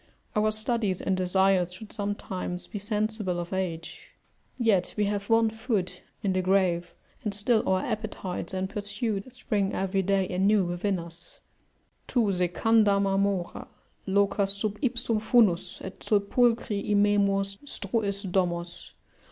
Our studies and desires should sometime be sensible of age; yet we have one foot in the grave and still our appetites and pursuits spring every day anew within us: "Tu secanda marmora Locas sub ipsum funus, et, sepulcri Immemor, struis domos."